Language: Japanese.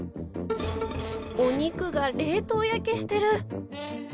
お肉が冷凍焼けしてる。